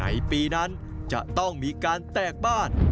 ในปีนั้นจะต้องมีการแตกบ้าน